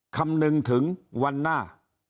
คำนึงถึงวันหน้า